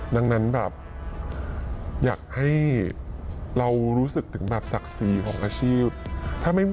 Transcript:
ดังนั้นแบบอยากให้เรารู้สึกถึงแบบศักดิ์ศรีของอาชีพ